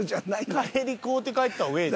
帰り買うて帰った方がええで。